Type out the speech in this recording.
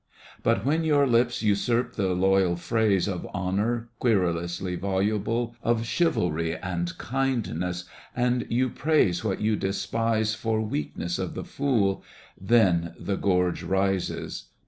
But when your lips usurp the loyal phrase Of honour, querulously voluble Of " chivalry " and " kindness," and you praise What you despise for weakness of the fool. Then the gorge rises.